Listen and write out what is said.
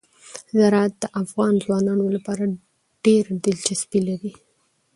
زراعت د افغان ځوانانو لپاره ډېره دلچسپي لري.